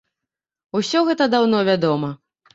Усё гэта даўно вядома.